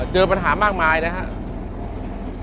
เจอปัญหามากมายนะครับ